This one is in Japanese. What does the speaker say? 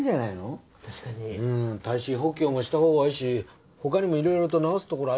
うん耐震補強もしたほうがいいし他にもいろいろと直す所ありそうだから。